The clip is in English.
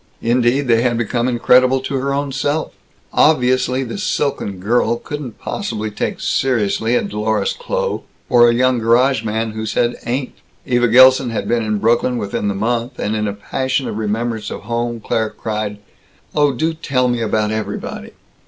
Indeed they had become incredible to her own self. Obviously this silken girl couldn't possibly take seriously a Dlorus Kloh or a young garage man who said "ain't." Eva Gilson had been in Brooklyn within the month, and in a passion of remembrance of home, Claire cried, "Oh, do tell me about everybody."